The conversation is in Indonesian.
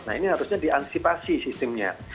nah ini harusnya diantisipasi sistemnya